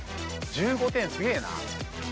１５点すげえな。